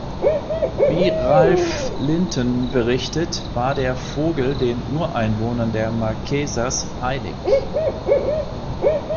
Wie Ralph Linton berichtet, war der Vogel den Ureinwohnern der Marquesas heilig.